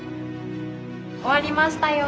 終わりましたよ。